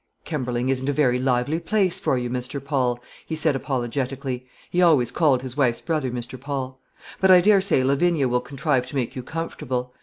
"Kemberling isn't a very lively place for you, Mr. Paul," he said apologetically, he always called his wife's brother Mr. Paul, "but I dare say Lavinia will contrive to make you comfortable.